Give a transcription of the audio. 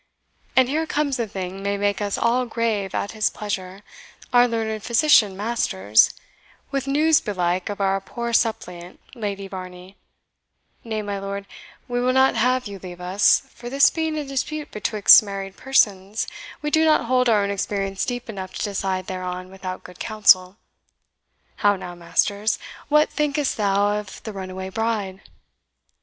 And here comes a thing may make us all grave at his pleasure, our learned physician Masters, with news belike of our poor suppliant, Lady Varney; nay, my lord, we will not have you leave us, for this being a dispute betwixt married persons, we do not hold our own experience deep enough to decide thereon without good counsel. How now, Masters, what thinkest thou of the runaway bride?"